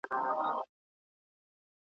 نه به واخلي تر قیامته عبرتونه .